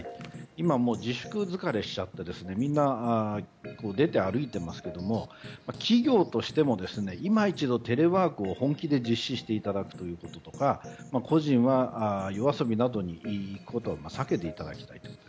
今、自粛疲れしちゃってみんな、出て歩いていますけど企業としても今一度テレワークを本気で実施していただくこととか個人は夜遊びなどに行くことを避けていただきたい。